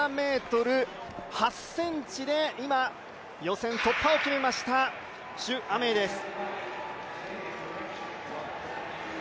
１７ｍ８ｃｍで今、予選突破を決めました朱亜明です。